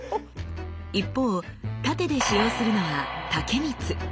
一方殺陣で使用するのは「竹光」。